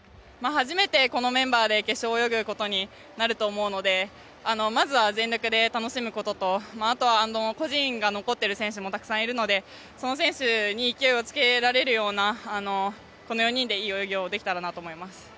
初めて、このメンバーで決勝を泳ぐことになると思うのでまずは全力で楽しむこととあとは個人が残っている選手もたくさんいるので、その選手に勢いをつけられるようなこの４人で、いい泳ぎをできたらなと思います。